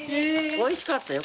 おいしかったよ